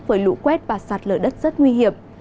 với lũ quét và sạt lở đất rất nguy hiểm